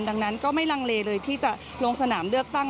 ดังนั้นก็ไม่ลังเลเลยที่จะลงสนามเลือกตั้ง